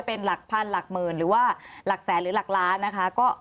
เป็นหลักพันหลักหมื่นหรือว่าหลักแสนหรือหลักล้านนะคะ